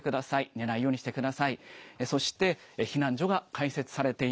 寝ないようにしてください。